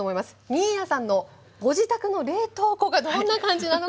新谷さんのご自宅の冷凍庫がどんな感じなのか